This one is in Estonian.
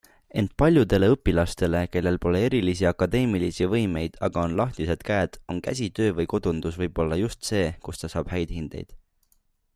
Ent paljudele õpilastele, kellel pole erilisi akadeemilisi võimeid, aga on lahtised käed, on käsitöö või kodundus võib-olla just see, kus ta saab häid hindeid.